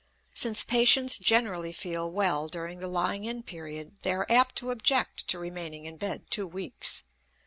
Since patients generally feel well during the lying in period they are apt to object to remaining in bed two weeks.